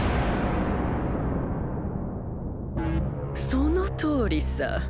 そのとおりさ。